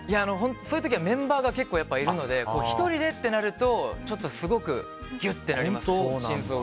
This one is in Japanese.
そういう時はメンバーが結構いるので１人でってなるとちょっとすごくぎゅってなります心臓が。